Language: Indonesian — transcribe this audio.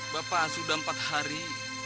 bapak sudah empat hari